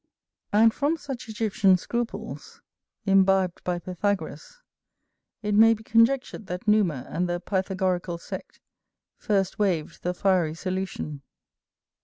And from such Egyptian scruples, imbibed by Pythagoras, it may be conjectured that Numa and the Pythagorical sect first waived the fiery solution.